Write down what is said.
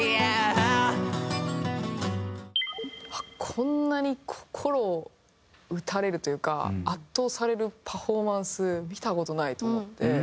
こんなに心を打たれるというか圧倒されるパフォーマンス見た事ないと思って。